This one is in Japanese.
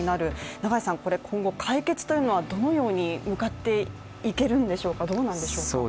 永井さん、解決というのはどのように向かっていけるんでしょうか、どうなんでしょうか。